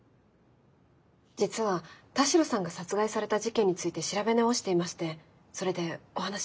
実は田代さんが殺害された事件について調べ直していましてそれでお話を。